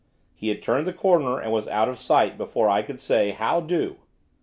He had turned the corner and was out of sight before I could say, 'How do!